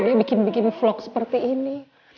dia bikin bikin vlog seperti ini